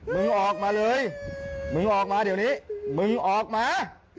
มึงออกมาเลยมึงออกมาเดี๋ยวนี้มึงออกมา